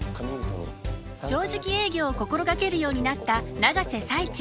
正直営業を心掛けるようになった永瀬財地。